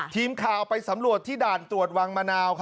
ทีมข่าวไปสำรวจที่ด่านตรวจวังมะนาว